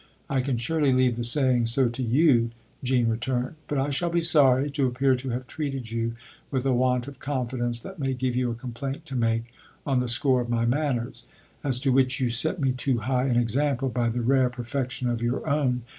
"I can surely leave the saying so to you! 11 Jean returned. " But I shall be sorry to appear to have treated you with a want of confidence that may give you a complaint to make on the score of my manners as to which you set me too high an example by the rare perfection of your own.